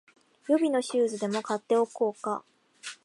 予備のシューズでも買っておこうか